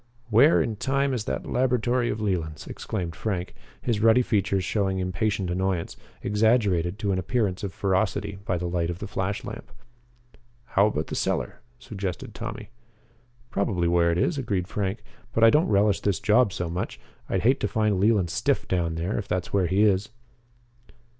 "Where in time is that laboratory of Leland's?" exclaimed Frank, his ruddy features showing impatient annoyance, exaggerated to an appearance of ferocity by the light of the flashlamp. "How about the cellar?" suggested Tommy. "Probably where it is," agreed Frank, "but I don't relish this job so much. I'd hate to find Leland stiff down there, if that's where he is."